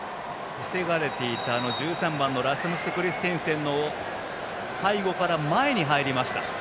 防がれていた、１３番のラスムス・クリステンセンの背後から前に入りました。